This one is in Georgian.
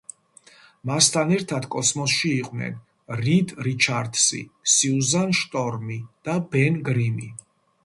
მასთან ერთად კოსმოსში იყვნენ რიდ რიჩარდსი, სიუზან შტორმი და ბენ გრიმი.